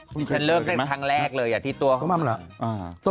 คุณเคลื่อนเลิกได้ทั้งแรกเลยพี่ตัวของคุณค่ะอืมอืมอืมอืมอืม